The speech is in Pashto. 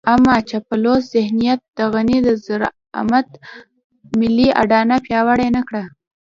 اما چاپلوس ذهنيت د غني د زعامت ملي اډانه پياوړې نه کړه.